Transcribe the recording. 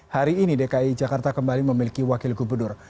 hari ini dki jakarta kembali memiliki wakil gubernur